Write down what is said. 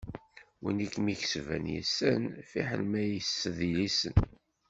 Win i kem-ikesben yessen, fiḥel ma yessed ilisen.